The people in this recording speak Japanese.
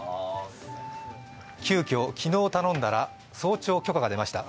急きょ、昨日頼んだら早朝許可が出ました。